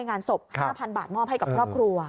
งานศพ๕๐๐บาทมอบให้กับครอบครัว